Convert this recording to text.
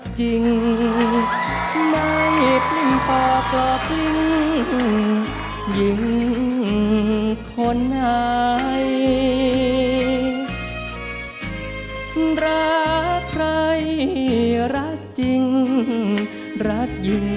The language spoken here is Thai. ขอโชคดีครับ